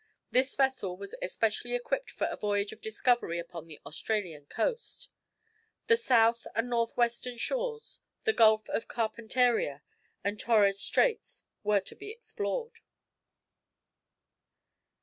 This vessel was especially equipped for a voyage of discovery upon the Australian coast. The south and north western shores, the Gulf of Carpentaria, and Torres Straits, were to be explored.